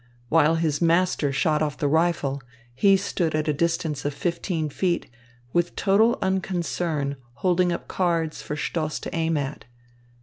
While his master shot off the rifle, he stood at a distance of fifteen feet, with total unconcern holding up cards for Stoss to aim at.